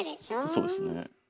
そうですね。